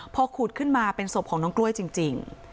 พอขุดขึ้นมาเป็นศพของน้องกล้วยจริง